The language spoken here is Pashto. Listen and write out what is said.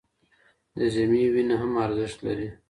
د ذمي وینه هم ارزښت لري.